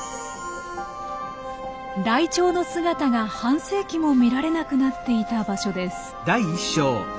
ライチョウの姿が半世紀も見られなくなっていた場所です。